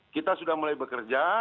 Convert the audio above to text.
kita sudah mulai bekerja